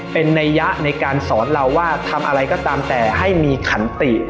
เป็นนัยยะในการสอนเราว่าทำอะไรก็ตามแต่ให้มีขันติ